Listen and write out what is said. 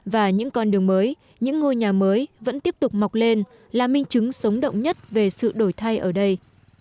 và những con đường mới những ngôi nhà mới vẫn tiếp tục mọc lên là minh chứng sống động nhất về sự đổi thay ở đây